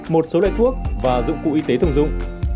một số loại thuốc và dụng cụ y tế thường dụng